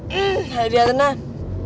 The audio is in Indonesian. hmm hadiah tenang